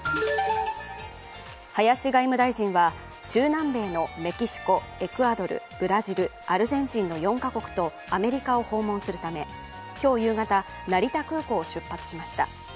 林外務大臣は、中南米のメキシコ、エクアドル、ブラジル、アルゼンチンの４か国とアメリカを訪問するため今日、夕方成田空港を出発しました。